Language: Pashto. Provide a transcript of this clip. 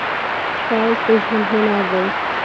ښایست د ژوند هنر دی